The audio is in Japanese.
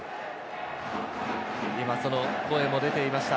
今、声も出ていました。